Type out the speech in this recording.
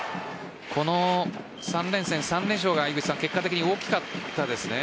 この３連戦、３連勝が結果的に大きかったですよね。